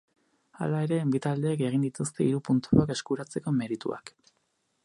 Hala ere, bi taldeek egin dituzte hiru puntuak eskuratzeko merituak.